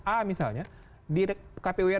a misalnya di kpur